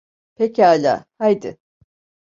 Pekala, haydi.